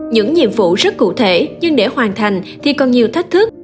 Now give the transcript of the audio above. những nhiệm vụ rất cụ thể nhưng để hoàn thành thì còn nhiều thách thức